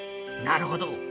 なるほど。